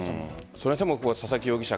それでも佐々木容疑者